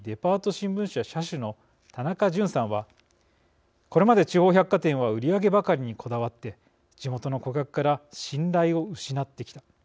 新聞社社主の田中潤さんは「これまで地方百貨店は売り上げばかりにこだわって地元の顧客から信頼を失ってきた。